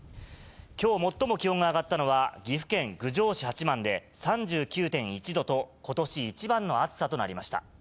きょう、最も気温が上がったのは岐阜県郡上市八幡で、３９．１度と、ことし一番の暑さとなりました。